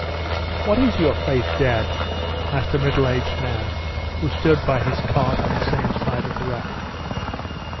"What is your faith, Dad?" asked a middle aged man, who stood by his cart on the same side of the raft.